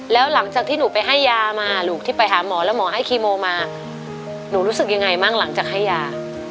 แล้วหลังจากที่หนูไปให้ยามาลูกที่ไปหาหมอแล้วหมอให้คีโมมาหนูรู้สึกยังไงบ้างหลังจากให้ยา